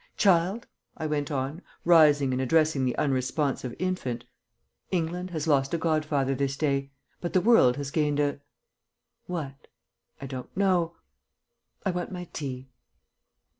Child," I went on, rising and addressing the unresponsive infant, "England has lost a godfather this day, but the world has gained a what? I don't know. I want my tea."